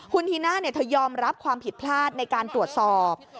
คุณธีน่าเธอยอมรับความผิดพลาดในการตรวจสอบ